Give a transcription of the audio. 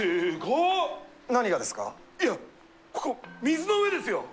いやここ水の上ですよ。